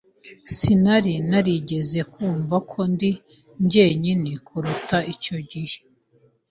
Sinari narigeze numva ko ndi jyenyine kuruta icyo gihe.